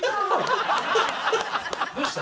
どうした？